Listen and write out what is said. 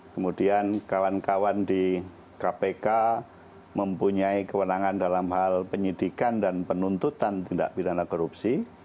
kemudian kawan kawan di kpk mempunyai kewenangan dalam hal penyidikan dan penuntutan tindak pidana korupsi